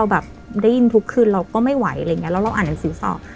ได้ยินทุกคืนเราก็ไม่ไหวเราอ่านอันสิริศอ